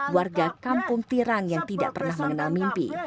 warga kampung tirang yang tidak pernah mengenal mimpi